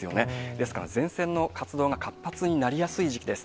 ですから、前線の活動が活発になりやすい時期です。